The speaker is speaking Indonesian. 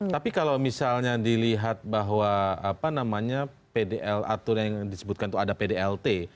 tapi kalau misalnya dilihat bahwa apa namanya pdl atau yang disebutkan itu ada pdlt